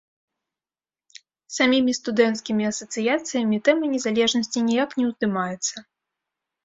Самімі студэнцкімі асацыяцыямі тэма незалежнасці ніяк не ўздымаецца.